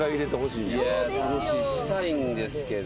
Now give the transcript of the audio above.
いやしたいんですけど。